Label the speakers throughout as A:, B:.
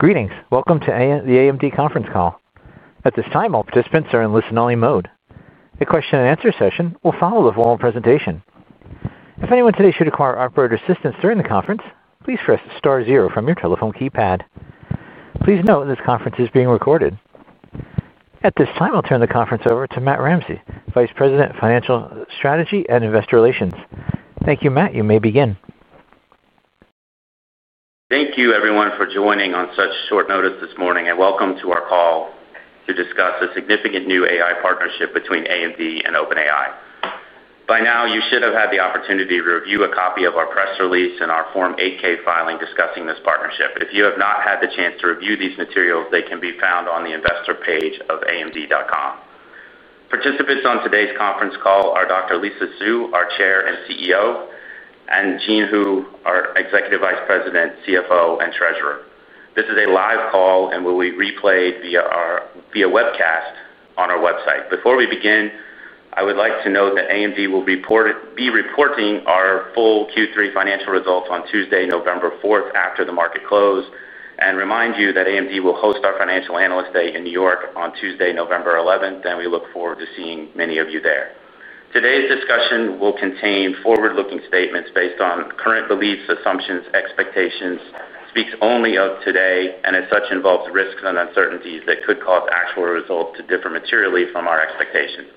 A: Greetings. Welcome to the AMD conference call. At this time, all participants are in listen-only mode. The question and answer session will follow the following presentation. If anyone today should require operator assistance during the conference, please press star zero from your telephone keypad. Please note this conference is being recorded. At this time, I'll turn the conference over to Matt Ramsay, Vice President of Financial Strategy and Investor Relations. Thank you, Matt. You may begin.
B: Thank you, everyone, for joining on such short notice this morning, and welcome to our call to discuss a significant new AI partnership between AMD and OpenAI. By now, you should have had the opportunity to review a copy of our press release and our Form 8K filing discussing this partnership. If you have not had the chance to review these materials, they can be found on the investor page of amd.com. Participants on today's conference call are Dr. Lisa Su, our Chair and CEO, and Jean Hu, our Executive Vice President, CFO, and Treasurer. This is a live call and will be replayed via our webcast on our website. Before we begin, I would like to note that AMD will be reporting our full Q3 financial results on Tuesday, November 4, after the market close, and remind you that AMD will host our Financial Analyst Day in New York on Tuesday, November 11, and we look forward to seeing many of you there. Today's discussion will contain forward-looking statements based on current beliefs, assumptions, and expectations, speaks only of today, and as such involves risks and uncertainties that could cause actual results to differ materially from our expectations.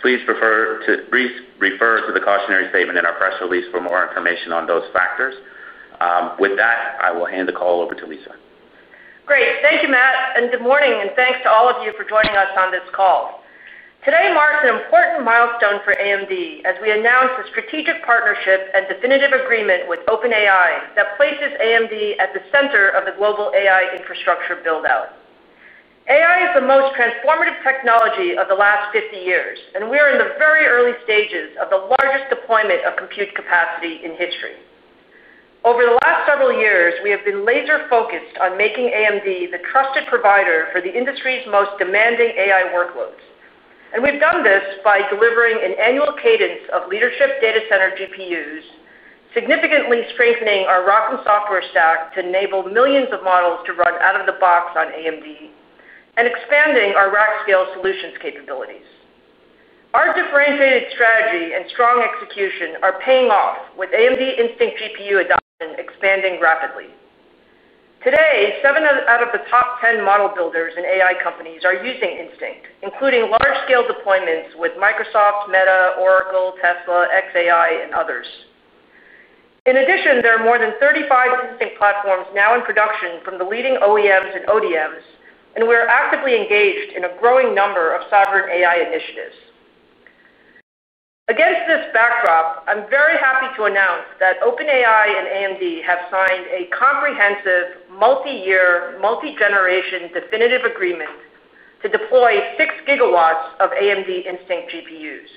B: Please refer to the cautionary statement in our press release for more information on those factors. With that, I will hand the call over to Lisa.
C: Great. Thank you, Matt, and good morning, and thanks to all of you for joining us on this call. Today marks an important milestone for AMD as we announce a strategic partnership and definitive agreement with OpenAI that places AMD at the center of the global AI infrastructure buildout. AI is the most transformative technology of the last 50 years, and we are in the very early stages of the largest deployment of compute capacity in history. Over the last several years, we have been laser-focused on making AMD the trusted provider for the industry's most demanding AI workloads. We've done this by delivering an annual cadence of leadership data center GPUs, significantly strengthening our ROCm software stack to enable millions of models to run out of the box on AMD, and expanding our rack-scale solutions capabilities. Our differentiated strategy and strong execution are paying off, with AMD Instinct GPU adoption expanding rapidly. Today, seven out of the top 10 model builders in AI companies are using Instinct, including large-scale deployments with Microsoft, Meta, Oracle, Tesla, xAI, and others. In addition, there are more than 35 Instinct platforms now in production from the leading OEMs and ODMs, and we are actively engaged in a growing number of sovereign AI initiatives. Against this backdrop, I'm very happy to announce that OpenAI and AMD have signed a comprehensive, multi-year, multi-generation definitive agreement to deploy 6 GW of AMD Instinct GPUs.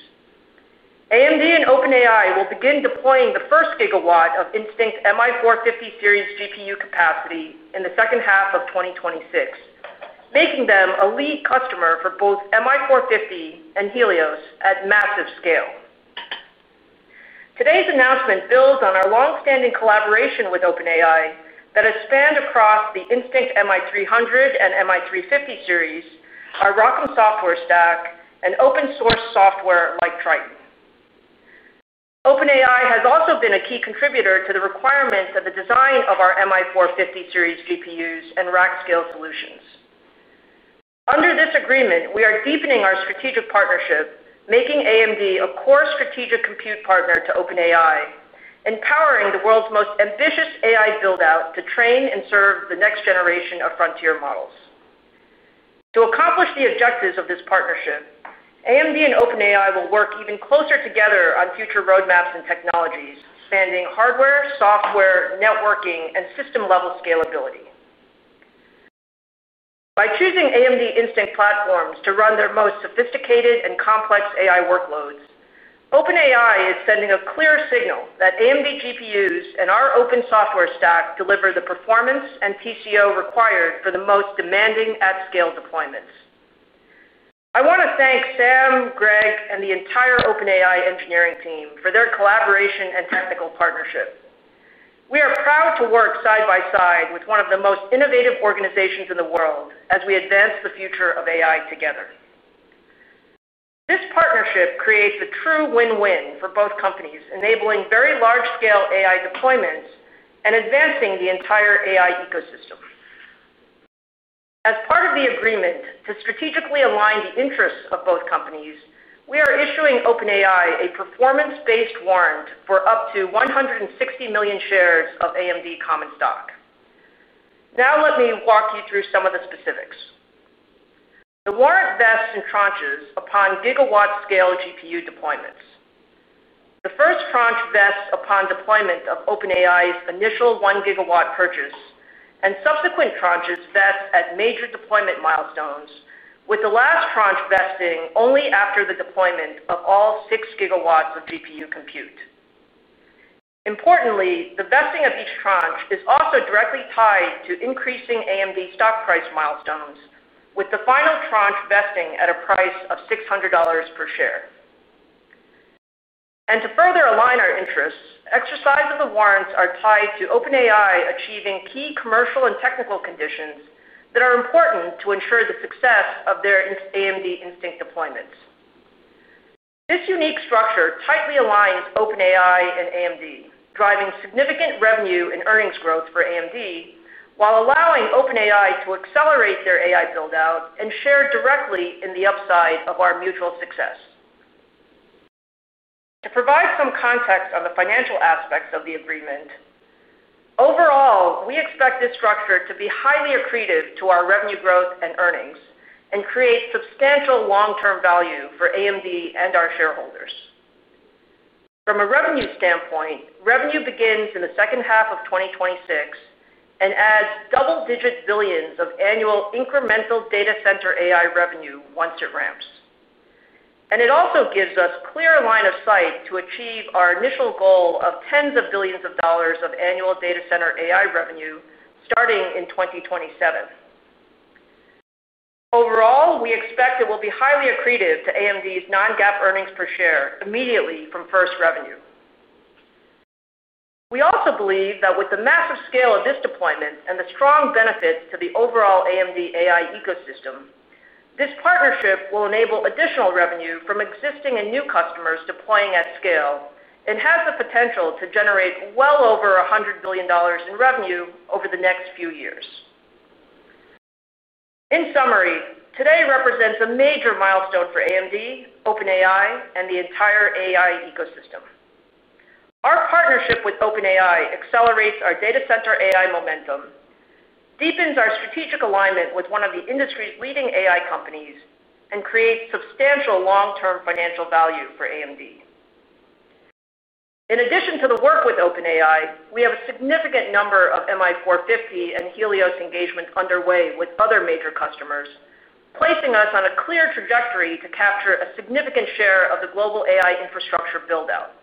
C: AMD and OpenAI will begin deploying the first gigawatt of Instinct MI450 series GPU capacity in the second half of 2026, making them a lead customer for both MI450 and Helios at massive scale. Today's announcement builds on our longstanding collaboration with OpenAI that has spanned across the Instinct MI300 and MI350 series, our ROCm software stack, and open-source software like Triton. OpenAI has also been a key contributor to the requirements of the design of our MI450 series GPUs and rack-scale solutions. Under this agreement, we are deepening our strategic partnership, making AMD a core strategic compute partner to OpenAI, empowering the world's most ambitious AI buildout to train and serve the next generation of frontier models. To accomplish the objectives of this partnership, AMD and OpenAI will work even closer together on future roadmaps and technologies, spanning hardware, software, networking, and system-level scalability. By choosing AMD Instinct platforms to run their most sophisticated and complex AI workloads, OpenAI is sending a clear signal that AMD GPUs and our open software stack deliver the performance and TCO required for the most demanding at-scale deployments. I want to thank Sam, Greg, and the entire OpenAI engineering team for their collaboration and technical partnership. We are proud to work side by side with one of the most innovative organizations in the world as we advance the future of AI together. This partnership creates a true win-win for both companies, enabling very large-scale AI deployments and advancing the entire AI ecosystem. As part of the agreement to strategically align the interests of both companies, we are issuing OpenAI a performance-based warrant for up to 160 million shares of AMD common stock. Now let me walk you through some of the specifics. The warrant vests in tranches upon gigawatt scale GPU deployments. The first tranche vests upon deployment of OpenAI's initial 1-GW purchase, and subsequent tranches vest at major deployment milestones, with the last tranche vesting only after the deployment of all 6 GW of GPU compute. Importantly, the vesting of each tranche is also directly tied to increasing AMD stock price milestones, with the final tranche vesting at a price of $600 per share. To further align our interests, exercise of the warrants is tied to OpenAI achieving key commercial and technical conditions that are important to ensure the success of their AMD Instinct deployments. This unique structure tightly aligns OpenAI and AMD, driving significant revenue and earnings growth for AMD while allowing OpenAI to accelerate their AI buildout and share directly in the upside of our mutual success. To provide some context on the financial aspects of the agreement, overall, we expect this structure to be highly accretive to our revenue growth and earnings and create substantial long-term value for AMD and our shareholders. From a revenue standpoint, revenue begins in the second half of 2026 and adds double-digit billions of annual incremental data center AI revenue once it ramps. It also gives us a clear line of sight to achieve our initial goal of tens of billions of dollars of annual data center AI revenue starting in 2027. Overall, we expect it will be highly accretive to AMD's non-GAAP earnings per share immediately from first revenue. We also believe that with the massive scale of this deployment and the strong benefit to the overall AMD AI ecosystem, this partnership will enable additional revenue from existing and new customers deploying at scale and has the potential to generate well over $100 billion in revenue over the next few years. In summary, today represents a major milestone for AMD, OpenAI, and the entire AI ecosystem. Our partnership with OpenAI accelerates our data center AI momentum, deepens our strategic alignment with one of the industry's leading AI companies, and creates substantial long-term financial value for AMD. In addition to the work with OpenAI, we have a significant number of MI450 and Helios engagements underway with other major customers, placing us on a clear trajectory to capture a significant share of the global AI infrastructure buildout.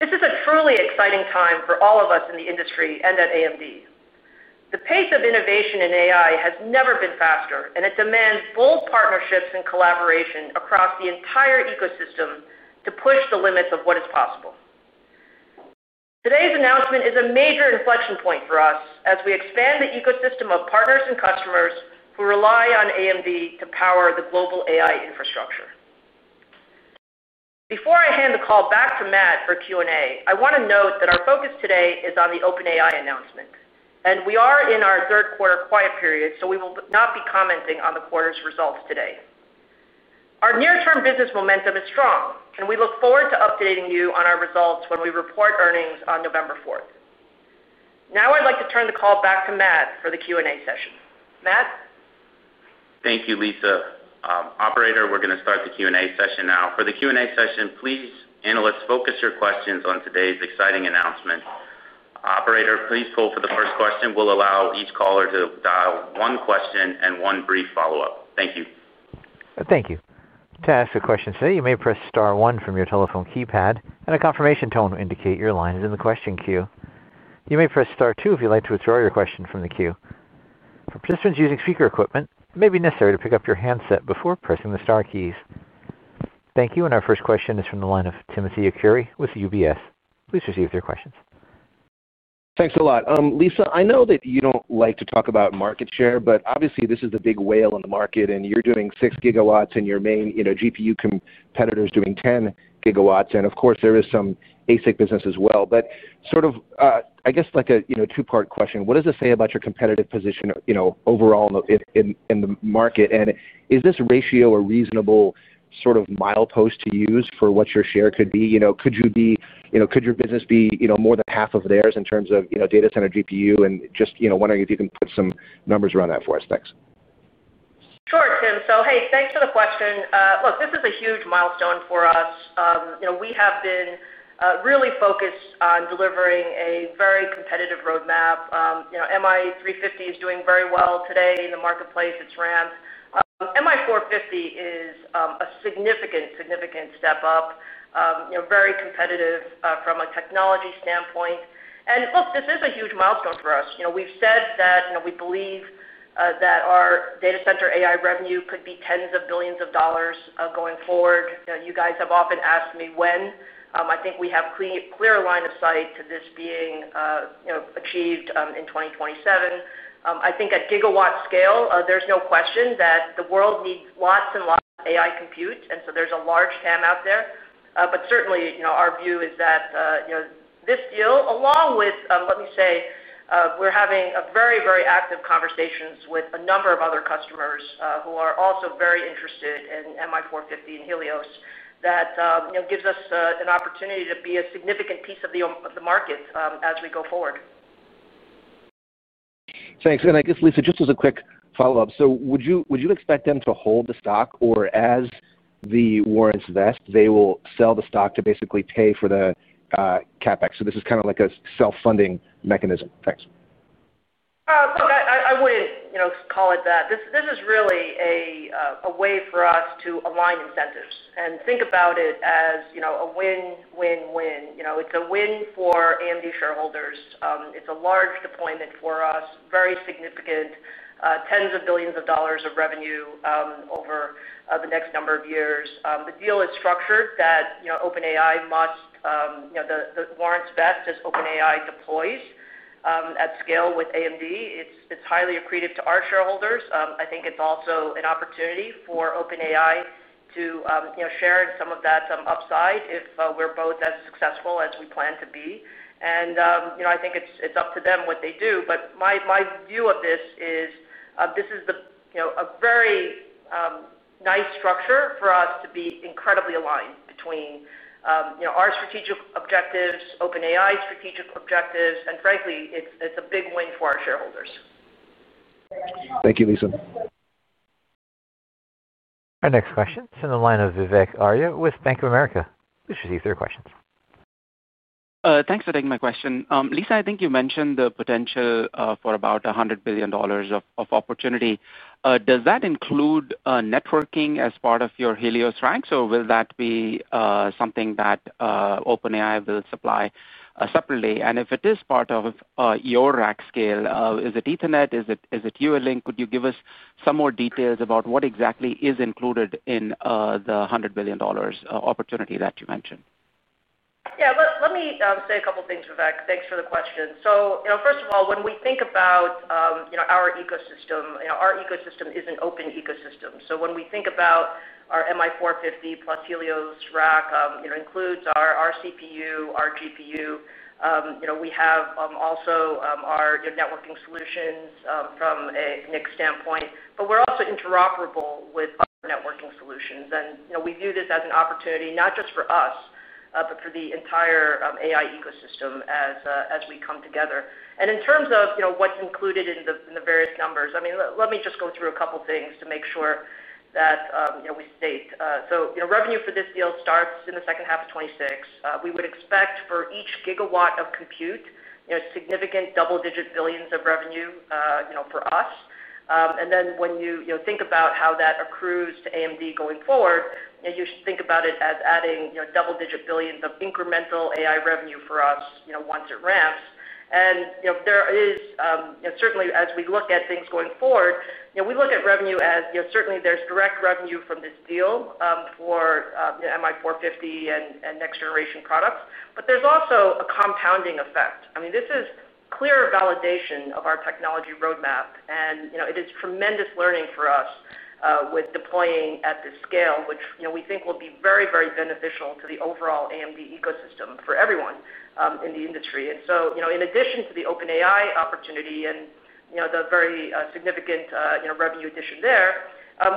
C: This is a truly exciting time for all of us in the industry and at AMD. The pace of innovation in AI has never been faster, and it demands bold partnerships and collaboration across the entire ecosystem to push the limits of what is possible. Today's announcement is a major inflection point for us as we expand the ecosystem of partners and customers who rely on AMD to power the global AI infrastructure. Before I hand the call back to Matt for Q&A, I want to note that our focus today is on the OpenAI announcement, and we are in our third quarter quiet period, so we will not be commenting on the quarter's results today. Our near-term business momentum is strong, and we look forward to updating you on our results when we report earnings on November 4th. Now I'd like to turn the call back to Matt for the Q&A session. Matt?
B: Thank you, Lisa. Operator, we're going to start the Q&A session now. For the Q&A session, please, analysts, focus your questions on today's exciting announcement. Operator, please pull for the first question. We'll allow each caller to dial one question and one brief follow-up. Thank you.
A: Thank you. To ask a question today, you may press star one from your telephone keypad, and a confirmation tone will indicate your line is in the question queue. You may press star two if you'd like to withdraw your question from the queue. For participants using speaker equipment, it may be necessary to pick up your handset before pressing the star keys. Thank you, and our first question is from the line of Timothy Arcuri with UBS. Please proceed with your questions.
D: Thanks a lot. Lisa, I know that you don't like to talk about market share, but obviously this is the big whale in the market, and you're doing 6 GW, and your main GPU competitor is doing 10 GW, and of course there is some ASIC business as well. I guess like a two-part question. What does it say about your competitive position overall in the market, and is this ratio a reasonable sort of milepost to use for what your share could be? Could your business be more than half of theirs in terms of data center GPU? Just wondering if you can put some numbers around that for us. Thanks.
C: Sure, Tim. Thanks for the question. Look, this is a huge milestone for us. We have been really focused on delivering a very competitive roadmap. MI350 is doing very well today in the marketplace. It's ramped. MI450 is a significant, significant step up, very competitive from a technology standpoint. This is a huge milestone for us. We've said that we believe that our data center AI revenue could be tens of billions of dollars going forward. You guys have often asked me when. I think we have a clear line of sight to this being achieved in 2027. I think at gigawatt scale, there's no question that the world needs lots and lots of AI compute, and there is a large TAM out there. Certainly, our view is that this deal, along with, let me say, we're having very, very active conversations with a number of other customers who are also very interested in MI450 and Helios, gives us an opportunity to be a significant piece of the market as we go forward.
D: Thanks. Lisa, just as a quick follow-up, would you expect them to hold the stock, or as the warrants vest, they will sell the stock to basically pay for the CapEx? This is kind of like a self-funding mechanism. Thanks.
C: I wouldn't call it that. This is really a way for us to align incentives. Think about it as a win, win, win. It's a win for AMD shareholders. It's a large deployment for us, very significant, tens of billions of dollars of revenue over the next number of years. The deal is structured that OpenAI must, the warrants vest as OpenAI deploys at scale with AMD. It's highly accretive to our shareholders. I think it's also an opportunity for OpenAI to share in some of that upside if we're both as successful as we plan to be. I think it's up to them what they do. My view of this is this is a very nice structure for us to be incredibly aligned between our strategic objectives, OpenAI's strategic objectives, and frankly, it's a big win for our shareholders.
D: Thank you, Lisa.
A: Our next question is on the line of Vivek Arya with Bank of America. Please proceed with your questions.
E: Thanks for taking my question. Lisa, I think you mentioned the potential for about $100 billion of opportunity. Does that include networking as part of your Helios racks, or will that be something that OpenAI will supply separately? If it is part of your rack-scale, is it Ethernet? Is it EULink? Could you give us some more details about what exactly is included in the $100 billion opportunity that you mentioned?
C: Yeah, let me say a couple of things, Vivek. Thanks for the question. First of all, when we think about our ecosystem, our ecosystem is an open ecosystem. When we think about our MI450, plus Helios rack, it includes our CPU, our GPU. We have also our networking solutions from a NIC standpoint, but we're also interoperable with other networking solutions. We view this as an opportunity not just for us, but for the entire AI ecosystem as we come together. In terms of what's included in the various numbers, let me just go through a couple of things to make sure that we state. Revenue for this deal starts in the second half of 2026. We would expect for each gigawatt of compute, significant double-digit billions of revenue for us. When you think about how that accrues to AMD going forward, you should think about it as adding double-digit billions of incremental AI revenue for us once it ramps. Certainly, as we look at things going forward, we look at revenue as certainly there's direct revenue from this deal for MI450 and next-generation products. There's also a compounding effect. This is clear validation of our technology roadmap, and it is tremendous learning for us with deploying at this scale, which we think will be very, very beneficial to the overall AMD ecosystem for everyone in the industry. In addition to the OpenAI opportunity and the very significant revenue addition there,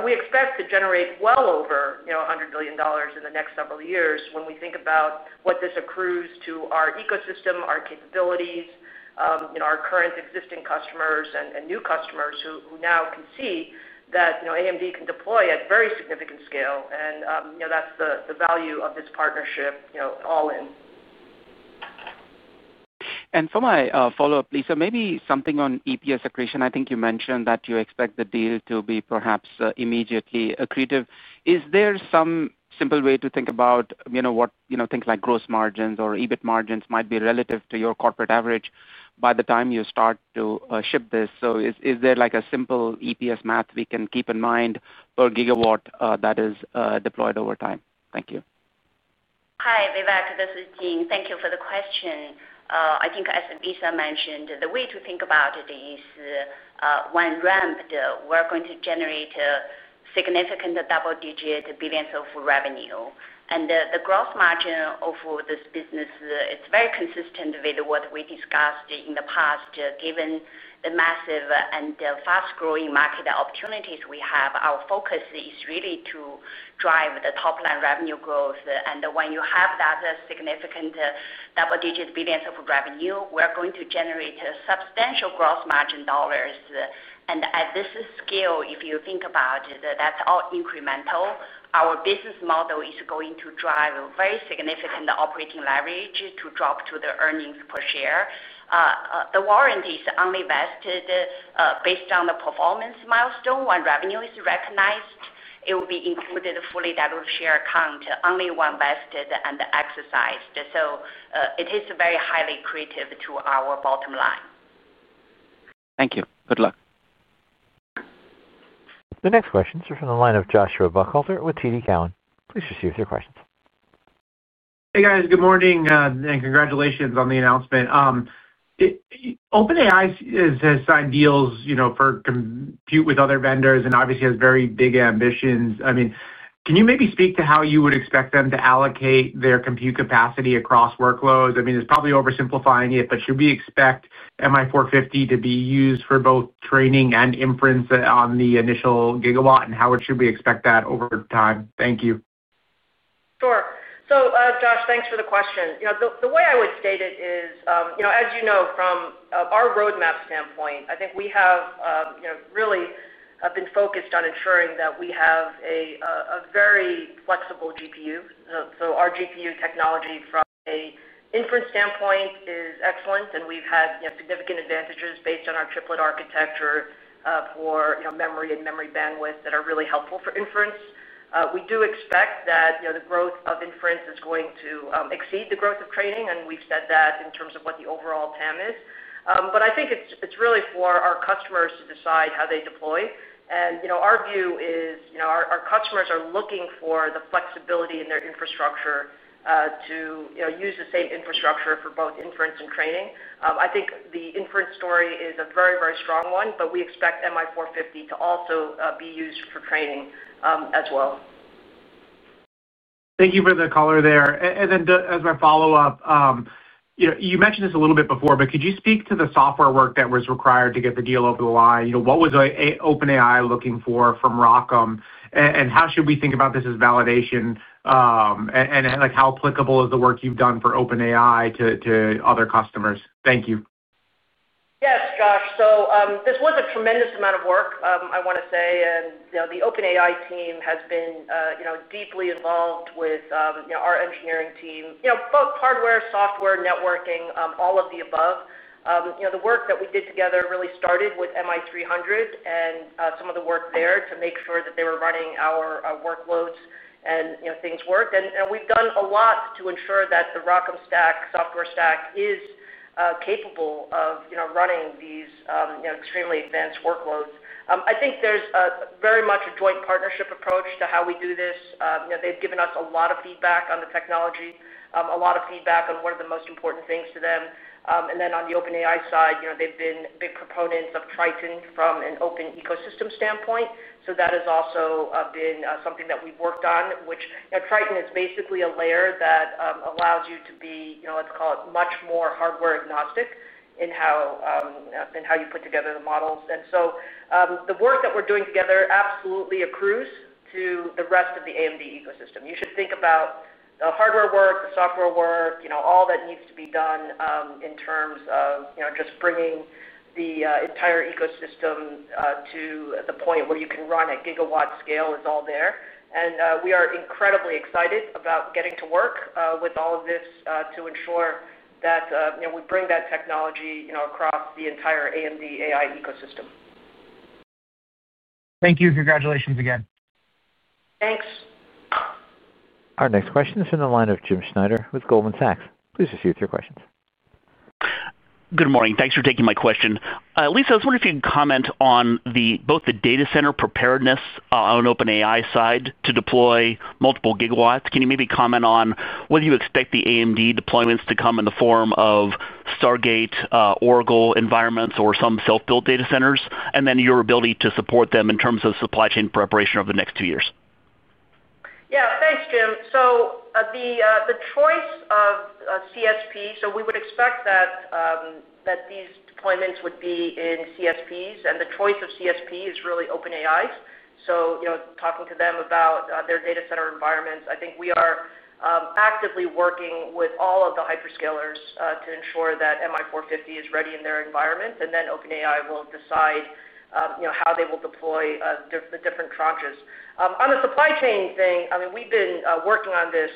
C: we expect to generate well over $100 billion in the next several years when we think about what this accrues to our ecosystem, our capabilities, our current existing customers, and new customers who now can see that AMD can deploy at very significant scale. That's the value of this partnership all in.
E: For my follow-up, Lisa, maybe something on EPS accretion. I think you mentioned that you expect the deal to be perhaps immediately accretive. Is there some simple way to think about what things like gross margins or EBIT margins might be relative to your corporate average by the time you start to ship this? Is there a simple EPS math we can keep in mind per gigawatt that is deployed over time? Thank you.
F: Hi, Vivek. This is Jean. Thank you for the question. I think, as Lisa mentioned, the way to think about it is when ramped, we're going to generate significant double-digit billions of revenue. The gross margin for this business is very consistent with what we discussed in the past. Given the massive and fast-growing market opportunities we have, our focus is really to drive the top-line revenue growth. When you have that significant double-digit billions of revenue, we're going to generate substantial gross margin dollars. At this scale, if you think about it, that's all incremental. Our business model is going to drive a very significant operating leverage to drop to the earnings per share. The warrant is only vested based on the performance milestone. When revenue is recognized, it will be included fully in that share count, only when vested and exercised. It is very highly accretive to our bottom line.
E: Thank you. Good luck.
A: The next questions are from the line of Joshua Buchalter with TD Cowen. Please proceed with your questions.
G: Hey, guys. Good morning, and congratulations on the announcement. OpenAI has signed deals for compute with other vendors and obviously has very big ambitions. Can you maybe speak to how you would expect them to allocate their compute capacity across workloads? It's probably oversimplifying it, but should we expect MI450 to be used for both training and inference on the initial gigawatt, and how should we expect that over time? Thank you.
C: Sure. Josh, thanks for the question. The way I would state it is, as you know, from our roadmap standpoint, I think we have really been focused on ensuring that we have a very flexible GPU. Our GPU technology from an inference standpoint is excellent, and we've had significant advantages based on our triplet architecture for memory and memory bandwidth that are really helpful for inference. We do expect that the growth of inference is going to exceed the growth of training, and we've said that in terms of what the overall TAM is. I think it's really for our customers to decide how they deploy. Our view is our customers are looking for the flexibility in their infrastructure to use the same infrastructure for both inference and training. I think the inference story is a very, very strong one, but we expect MI450 to also be used for training as well.
G: Thank you for the caller there. As my follow-up, you mentioned this a little bit before, could you speak to the software work that was required to get the deal over the line? What was OpenAI looking for from ROCm, and how should we think about this as validation, and how applicable is the work you've done for OpenAI to other customers? Thank you.
C: Yes, Josh. This was a tremendous amount of work, I want to say. The OpenAI team has been deeply involved with our engineering team, both hardware, software, networking, all of the above. The work that we did together really started with MI300 and some of the work there to make sure that they were running our workloads and things worked. We've done a lot to ensure that the ROCm software stack is capable of running these extremely advanced workloads. I think there's very much a joint partnership approach to how we do this. They've given us a lot of feedback on the technology, a lot of feedback on what are the most important things to them. On the OpenAI side, they've been big proponents of Triton from an open ecosystem standpoint. That has also been something that we've worked on, which Triton is basically a layer that allows you to be, let's call it, much more hardware agnostic in how you put together the models. The work that we're doing together absolutely accrues to the rest of the AMD ecosystem. You should think about the hardware work, the software work, all that needs to be done in terms of just bringing the entire ecosystem to the point where you can run at gigawatt scale is all there. We are incredibly excited about getting to work with all of this to ensure that we bring that technology across the entire AMD AI ecosystem.
G: Thank you. Congratulations again.
C: Thanks.
A: Our next question is from the line of Jim Schneider with Goldman Sachs. Please proceed with your questions.
H: Good morning. Thanks for taking my question. Lisa, I was wondering if you can comment on both the data center preparedness on OpenAI's side to deploy multiple gigawatts. Can you maybe comment on whether you expect the AMD deployments to come in the form of Stargate, Oracle environments, or some self-built data centers, and then your ability to support them in terms of supply chain preparation over the next two years?
C: Yeah, thanks, Jim. The choice of CSP, we would expect that these deployments would be in CSPs, and the choice of CSP is really OpenAI's. Talking to them about their data center environments, I think we are actively working with all of the hyperscalers to ensure that MI450 is ready in their environment, and then OpenAI will decide how they will deploy the different tranches. On the supply chain thing, we've been working on this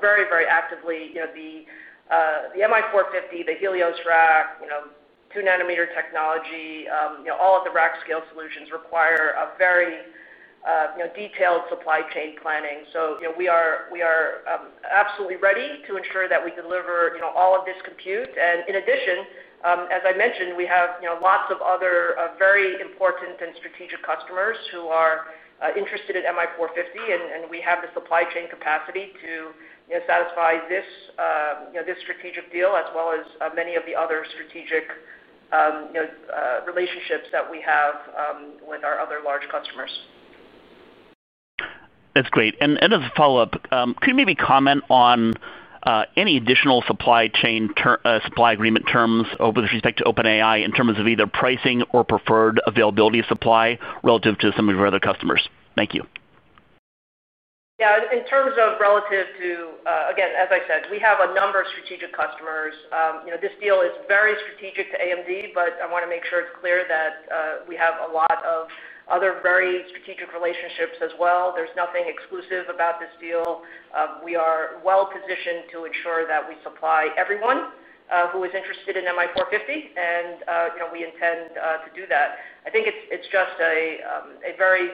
C: very, very actively. The MI450, the Helios rack, two-nanometer technology, all of the rack-scale solutions require very detailed supply chain planning. We are absolutely ready to ensure that we deliver all of this compute. In addition, as I mentioned, we have lots of other very important and strategic customers who are interested in MI450, and we have the supply chain capacity to satisfy this strategic deal as well as many of the other strategic relationships that we have with our other large customers.
D: That's great. As a follow-up, could you maybe comment on any additional supply chain supply agreement terms with respect to OpenAI in terms of either pricing or preferred availability of supply relative to some of your other customers? Thank you.
C: Yeah, in terms of relative to, again, as I said, we have a number of strategic customers. This deal is very strategic to AMD, but I want to make sure it's clear that we have a lot of other very strategic relationships as well. There's nothing exclusive about this deal. We are well positioned to ensure that we supply everyone who is interested in MI450, and we intend to do that. I think it's just a very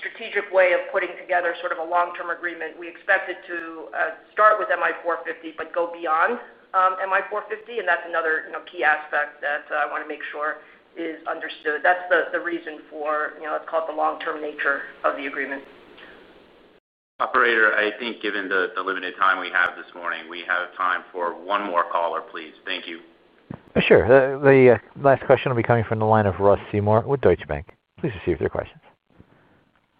C: strategic way of putting together sort of a long-term agreement. We expect it to start with MI450, but go beyond MI450, and that's another key aspect that I want to make sure is understood. That's the reason for, let's call it, the long-term nature of the agreement.
B: Operator, I think given the limited time we have this morning, we have time for one more caller, please. Thank you.
A: Sure. The last question will be coming from the line of Ross Seymore with Deutsche Bank. Please proceed with your questions.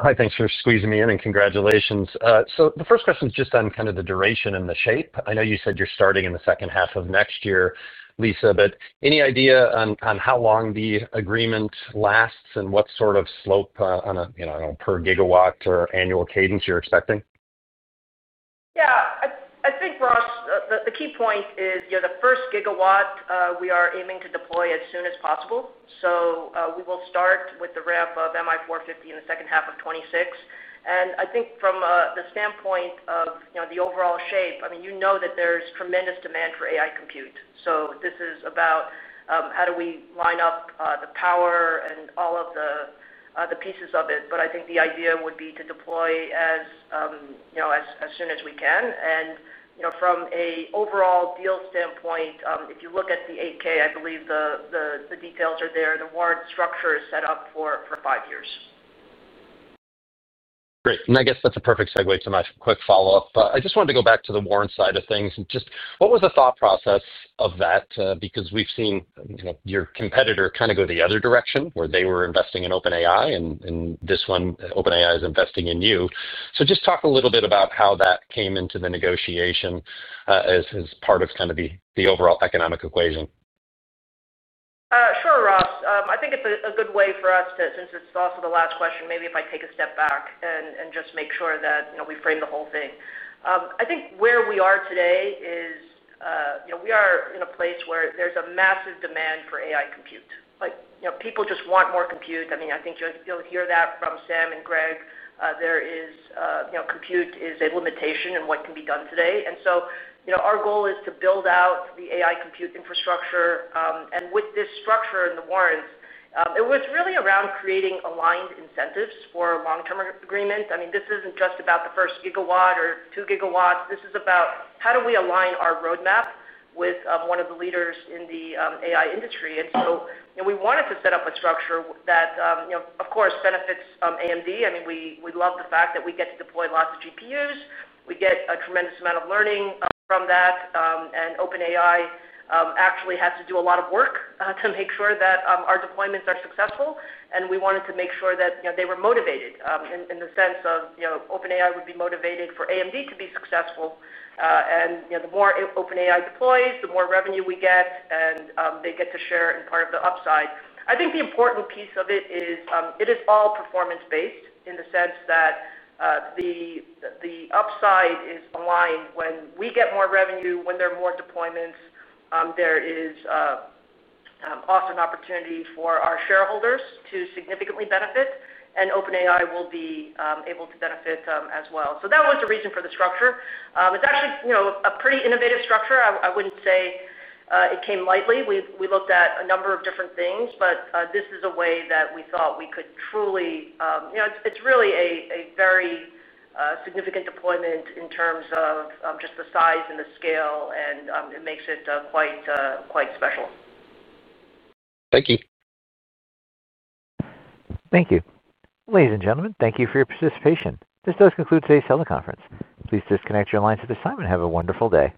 I: Hi, thanks for squeezing me in, and congratulations. The first question is just on kind of the duration and the shape. I know you said you're starting in the second half of next year, Lisa, but any idea on how long the agreement lasts and what sort of slope on a per gigawatt or annual cadence you're expecting?
C: Yeah, I think, Russ, the key point is the first gigawatt we are aiming to deploy as soon as possible. We will start with the ramp of MI450 in the second half of 2026. I think from the standpoint of the overall shape, you know that there's tremendous demand for AI compute. This is about how do we line up the power and all of the pieces of it. I think the idea would be to deploy as soon as we can. From an overall deal standpoint, if you look at the 8K, I believe the details are there. The warrant structure is set up for five years.
I: Great. I guess that's a perfect segue to my quick follow-up. I just wanted to go back to the warrant side of things. What was the thought process of that? We've seen your competitor kind of go the other direction where they were investing in OpenAI, and this one, OpenAI is investing in you. Just talk a little bit about how that came into the negotiation as part of the overall economic equation.
C: Sure, Russ. I think it's a good way for us to, since it's also the last question, maybe if I take a step back and just make sure that we frame the whole thing. I think where we are today is we are in a place where there's a massive demand for AI compute. People just want more compute. I mean, I think you'll hear that from Sam and Greg. Compute is a limitation in what can be done today. Our goal is to build out the AI compute infrastructure. With this structure and the warrants, it was really around creating aligned incentives for a long-term agreement. This isn't just about the first gigawatt or two gigawatts. This is about how do we align our roadmap with one of the leaders in the AI industry. We wanted to set up a structure that, of course, benefits AMD. We love the fact that we get to deploy lots of GPUs. We get a tremendous amount of learning from that. OpenAI actually has to do a lot of work to make sure that our deployments are successful. We wanted to make sure that they were motivated in the sense of OpenAI would be motivated for AMD to be successful. The more OpenAI deploys, the more revenue we get, and they get to share in part of the upside. The important piece of it is it is all performance-based in the sense that the upside is aligned when we get more revenue, when there are more deployments. There is also an opportunity for our shareholders to significantly benefit, and OpenAI will be able to benefit as well. That was the reason for the structure. It's actually a pretty innovative structure. I wouldn't say it came lightly. We looked at a number of different things, but this is a way that we thought we could truly, it's really a very significant deployment in terms of just the size and the scale, and it makes it quite special.
I: Thank you.
A: Thank you. Ladies and gentlemen, thank you for your participation. This does conclude today's teleconference. Please disconnect your lines at this time and have a wonderful day.